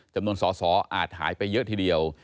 จำนวนสอสออาจหายไปเยอะทีเดียว